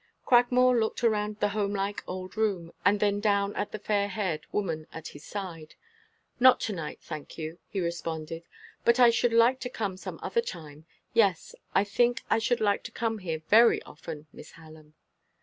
Cragmore looked around the homelike old room, and then down at the fair haired woman at his side. "Not to night, thank you," he responded; "but I should like to come some other time. Yes, I think I should like to come here very often, Miss Hallam."